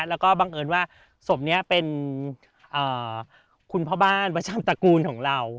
แล้วก็บังเอิญว่าศพนี้เป็นคุณพ่อบ้านประชามตระกูลของเรา